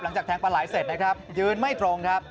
หลังจากแท้งปลายเสร็จนะครับยืนไม่ตรงครับ